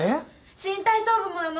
新体操部もなの。